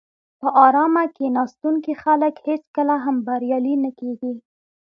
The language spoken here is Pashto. په آرامه کیناستونکي خلک هېڅکله هم بریالي نه کېږي.